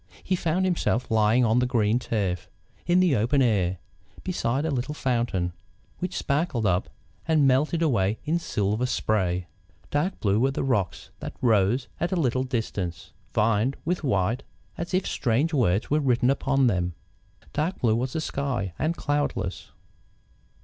He found himself lying on the green turf, in the open air, beside a little fountain, which sparkled up and melted away in silver spray. Dark blue were the rocks that rose at a little distance, veined with white as if strange words were written upon them. Dark blue was the sky, and cloudless.